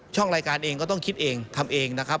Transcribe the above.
รายการเองก็ต้องคิดเองทำเองนะครับ